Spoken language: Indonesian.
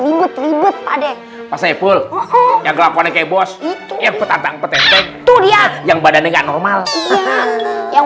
ribet ribet padek pasepul yang kelakuan kayak bos itu yang petan petan yang badannya normal yang